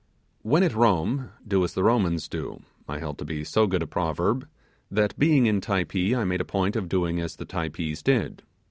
When at Rome do as the Romans do, I held to be so good a proverb, that being in Typee I made a point of doing as the Typees did.